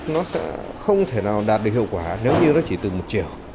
nó sẽ không thể nào đạt được hiệu quả nếu như nó chỉ từ một triệu